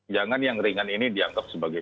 jangan yang ringan ini dianggap sebagai